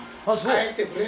帰ってくれ。